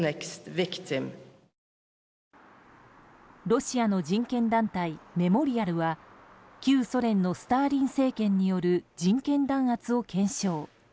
ロシアの人権団体メモリアルは旧ソ連のスターリン政権による人権弾圧を検証。